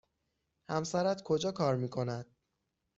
همسرت کجا کار می کند؟